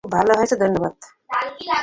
খুব ভালো হয়েছে, ধন্যবাদ।